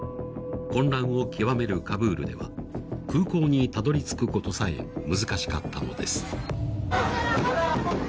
混乱を極めるカブールでは空港にたどり着くことさえ難しかったのです。